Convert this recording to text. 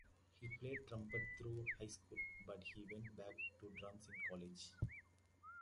He played trumpet through high school, but he went back to drums in college.